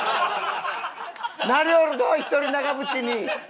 なりよるど１人長渕に！